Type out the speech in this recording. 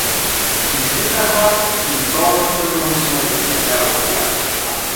“ извиках аз и долната ми устна затрепера от яд.